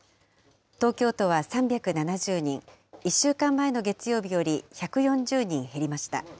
東京都は３７０人、１週間前の月曜日より１４０人減りました。